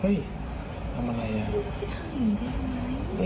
เฮ้ยทำอะไรน่ะ